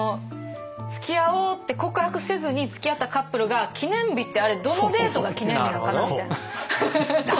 つきあおうって告白せずにつきあったカップルが記念日ってあれどのデートが記念日なんかなみたいな。